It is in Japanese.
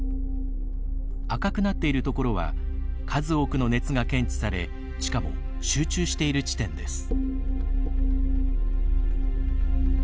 赤くなっているところは数多くの熱が検知されしかも集中している地点です。